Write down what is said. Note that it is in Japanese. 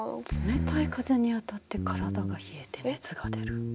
冷たい風に当たって体が冷えて熱が出る。